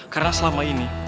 karena selama ini